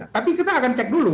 tapi kita akan cek dulu